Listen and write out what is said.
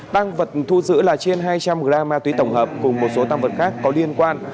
tăng vật thu giữ là trên hai trăm linh g ma túy tổng hợp cùng một số tăng vật khác có liên quan